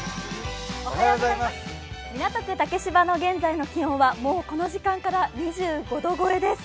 港区竹芝の現在の気温は、ううこの時間から２５度超えです。